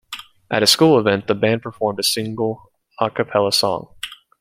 At a school event, the band performed a single a cappella song.